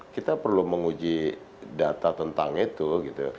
kita perlu menguji data tentang itu gitu